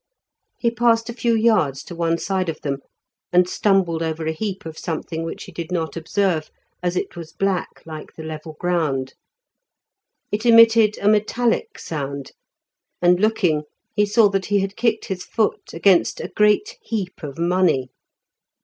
He passed a few yards to one side of them, and stumbled over a heap of something which he did not observe, as it was black like the level ground. It emitted a metallic sound, and looking he saw that he had kicked his foot against a great heap of money.